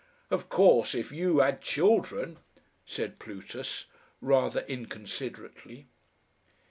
"Of course, if YOU had children," said Plutus, rather inconsiderately....